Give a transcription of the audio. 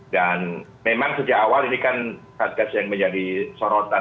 dan memang sejak awal ini kan satgas yang menjadi sorotan